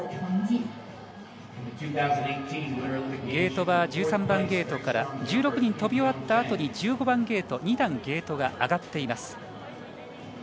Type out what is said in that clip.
ゲートは１３番ゲートから１６人飛び終わったあとに１５番ゲート２段、ゲートが上がっています。